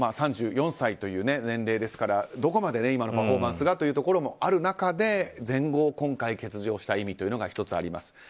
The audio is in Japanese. ３４歳という年齢ですからどこまで今のパフォーマンスがというところもある中で全豪、今回欠場した意味というのが１つあります。